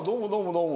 どうも。